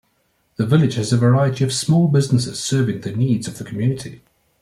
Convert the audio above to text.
The village has a variety of small businesses serving the needs of the community.